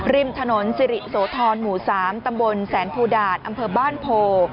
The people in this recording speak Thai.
ริมถนนสิริโสธรหมู่๓ตำบลแสนภูดาตอำเภอบ้านโพ